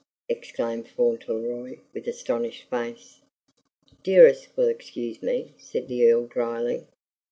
exclaimed Fauntleroy with astonished face. "'Dearest' will excuse me," said the Earl dryly.